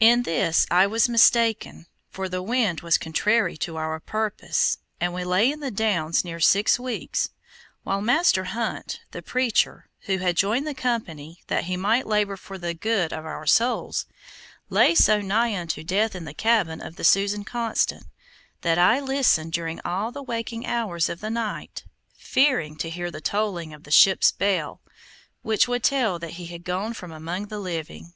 In this I was mistaken, for the wind was contrary to our purpose, and we lay in the Downs near six weeks, while Master Hunt, the preacher, who had joined the company that he might labor for the good of our souls; lay so nigh unto death in the cabin of the Susan Constant, that I listened during all the waking hours of the night, fearing to hear the tolling of the ship's bell, which would tell that he had gone from among the living.